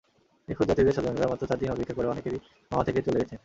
নিখোঁজ যাত্রীদের স্বজনেরা চার দিন অপেক্ষা করে অনেকেই মাওয়া থেকে চলে গেছেন।